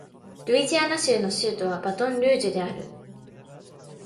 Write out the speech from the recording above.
ルイジアナ州の州都はバトンルージュである